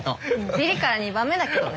ビリから２番目だけどね。